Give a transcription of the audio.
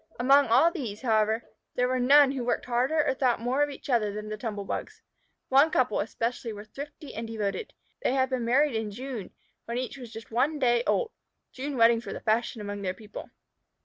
Among all these, however, there were none who worked harder or thought more of each other than the Tumble bugs. One couple, especially, were thrifty and devoted. They had been married in June, when each was just one day old. June weddings were the fashion among their people.